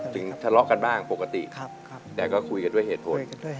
ทะเลาะกันบ้างปกติแต่ก็คุยกันด้วยเหตุผล